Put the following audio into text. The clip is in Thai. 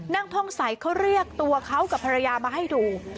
ท่องใสเขาเรียกตัวเขากับภรรยามาให้ดู